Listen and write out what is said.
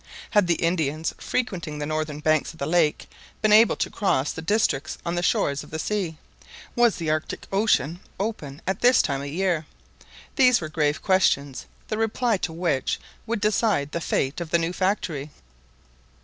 Had the Indians frequenting the northern banks of the lake been able to cross the districts on the shores of the sea? was the Arctic Ocean open at this time of year? These were grave questions, the reply to which would decide the fate of the new factory.